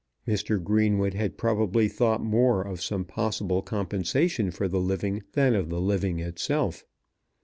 Mr. Greenwood had probably thought more of some possible compensation for the living than of the living itself.